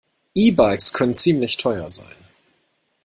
E-Bikes können ziemlich teuer sein.